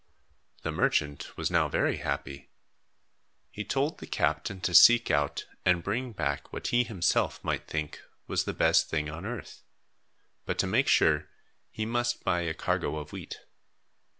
The merchant was now very happy. He told the captain to seek out and bring back what he himself might think was the best thing on earth; but to make sure, he must buy a cargo of wheat.